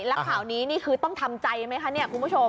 แล้วข่าวนี้นี่คือต้องทำใจไหมคะเนี่ยคุณผู้ชม